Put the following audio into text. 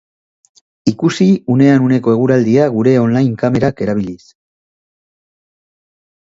Ikusi unean uneko eguraldia, gure online kamerak erabiliz.